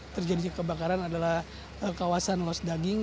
terjadi kebakaran adalah kawasan los daging